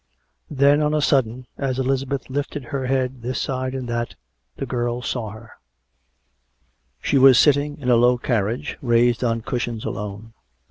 ... Then on a sudden, as Elizabeth lifted her head this side and that, the girl saw her. COME RACK! COME ROPE! 167 She was sitting in a low carriage^ raised on cushions, alone.